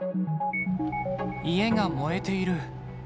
家が燃えている。